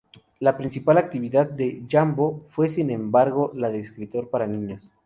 La principal actividad de Yambo fue sin embargo la de escritor para niños.